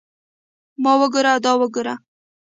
ما وګوره دا وګوره.